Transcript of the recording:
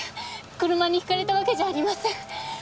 車にひかれたわけじゃありません。